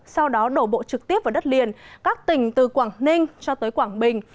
sau đó đổ bộ trực tiếp vào đất liền các tỉnh từ quảng ninh cho tới quảng bình